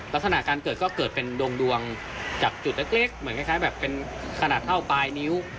ลักษณะการเกิดก็เกิดเป็นดวงจากจุดเล็กเหมือนคล้ายแบบเป็นขนาดเท่าปลายนิ้ว